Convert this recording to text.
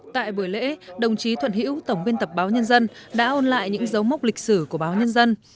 tại buổi lễ đồng chí thuận hiễu tổng biên tập báo nhân dân đã ôn lại những dấu mốc lịch sử của báo nhân dân